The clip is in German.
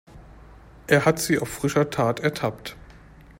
Er hat sie auf frischer Tat ertappt.